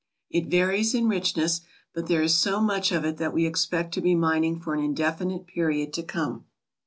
It varies in richness, but there is so much of it that we expect to be mining for an indefinite period to come.